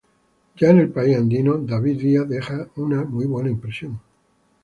Ya en el país andino, David Díaz deja una muy buena impresión.